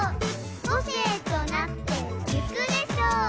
「個性となっていくでしょう！」